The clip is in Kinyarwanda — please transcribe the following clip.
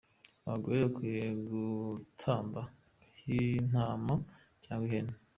Abagore bakwiye gutamba nk’intama cyangwa ihene.”